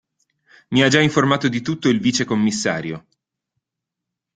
Mi ha già informato di tutto il vicecommissario.